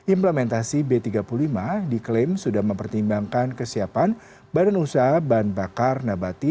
implementasi b tiga puluh lima diklaim sudah mempertimbangkan kesiapan badan usaha bahan bakar nabati